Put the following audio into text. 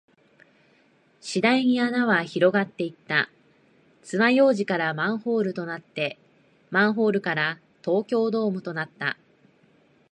次第に穴は広がっていった。爪楊枝からマンホールとなって、マンホールから東京ドームとなった。